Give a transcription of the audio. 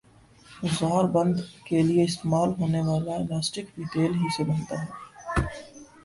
زار بند کیلئے استعمال ہونے والا الاسٹک بھی تیل ہی سے بنتا ھے